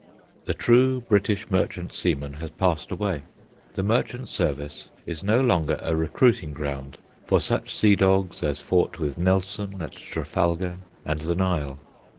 The true British merchant seaman has passed away. The merchant service is no longer a recruiting ground for such sea dogs as fought with Nelson at Trafalgar and the Nile.